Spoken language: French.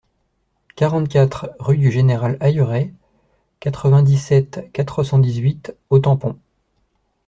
quarante-quatre rue du Géneral Ailleret, quatre-vingt-dix-sept, quatre cent dix-huit au Tampon